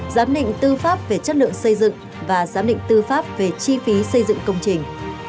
giám định tư pháp về chất lượng xây dựng và giám định tư pháp về chi phí xây dựng công trình